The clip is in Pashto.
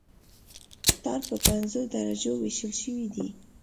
ټار په پنځو درجو ویشل شوی دی